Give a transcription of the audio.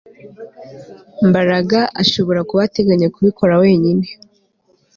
Mbaraga ashobora kuba ateganya kubikora wenyine